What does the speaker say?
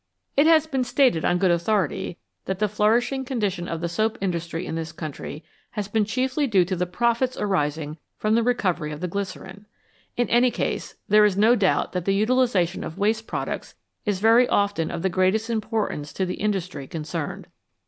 It has been stated on good authority that the flourish ing condition of the soap industry in this country has been chiefly due to the profits arising from the recovery of the glycerine. In any case, there is no doubt that the utilisation of waste products is very often of the greatest importance to the industry concerned.